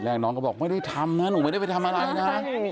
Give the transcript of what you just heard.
น้องก็บอกไม่ได้ทำนะหนูไม่ได้ไปทำอะไรนะ